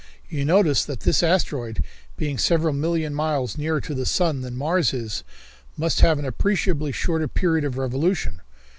You notice that this asteroid, being several million miles nearer to the sun than Mars is, must have an appreciably shorter period of revolution.